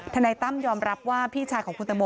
นายตั้มยอมรับว่าพี่ชายของคุณตังโม